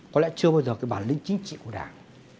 có lẽ chưa bao giờ cái bản lĩnh chính trị của đảng